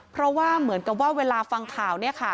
เพราะว่าเหมือนกับว่าเวลาฟังข่าว